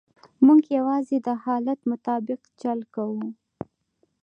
موږ یوازې د حالت مطابق چل کوو.